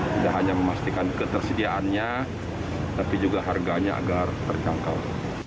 tidak hanya memastikan ketersediaannya tapi juga harganya agar terjangkau